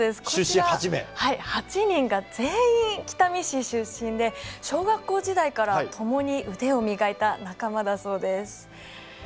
こちら８人が全員北見市出身で小学校時代から共に腕を磨いた仲間だそうです。